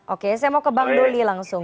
oke saya mau ke bang doli langsung